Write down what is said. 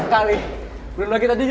tidak pernah mohon kalau vivac